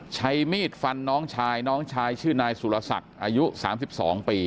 ใช้มีดฟันน้องชายน้องชายชื่อนายสุรศักดิ์อายุ๓๒ปี